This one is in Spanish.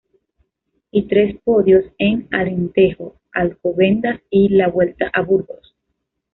Y tres podios en Alentejo, Alcobendas y la Vuelta a Burgos.